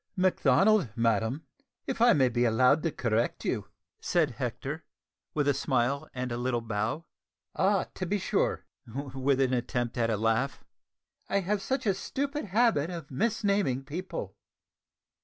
"Macdonald, madam, if I may be allowed to correct you," said Hector, with a smile and a little bow. "Ah, to be sure!" (with an attempt at a laugh.) "I have such a stupid habit of misnaming people."